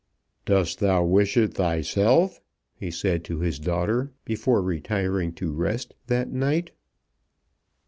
"Doest thou wish it thyself?" he said to his daughter before retiring to rest that night.